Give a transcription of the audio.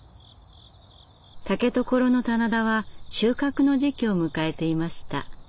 竹所の棚田は収穫の時期を迎えていました。